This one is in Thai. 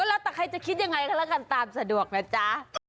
เอ้าแล้วใครจะคิดยังไงก็ตามสะดวกนะจ๊ะ